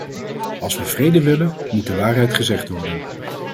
Als we vrede willen, moet de waarheid gezegd worden.